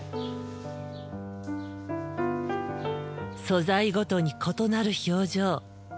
素材ごとに異なる表情。